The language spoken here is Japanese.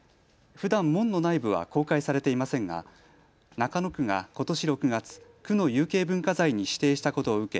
ふだん門の内部は公開されていませんが中野区がことし６月、区の有形文化財に指定したことを受け